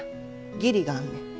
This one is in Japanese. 義理があんねん。